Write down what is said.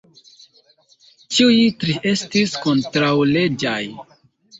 Ĉiuj tri estis kontraŭleĝaj.